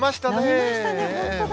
のびましたね、本当だ。